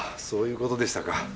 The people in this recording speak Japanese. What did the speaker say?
そういうことでしたか。